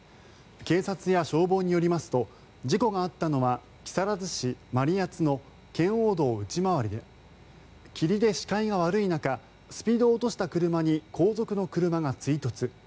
警察や消防によりますと事故があったのは木更津市真里谷の圏央道内回りで霧で視界が悪い中スピードを落とした車に後続の車が追突。